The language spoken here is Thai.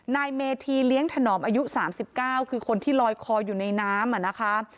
นายเมธีเลี้ยงถนอมอายุ๓๙คือคนที่ลอยคออยู่ในน้ำนะคะ